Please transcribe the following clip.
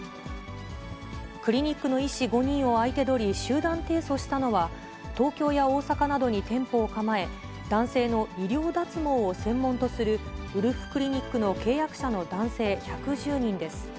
クリニックの医師５人を相手取り、集団提訴したのは、東京や大阪などに店舗を構え、男性の医療脱毛を専門とするウルフクリニックの契約者の男性１１０人です。